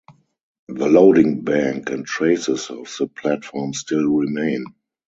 The loading bank and traces of the platform still remain.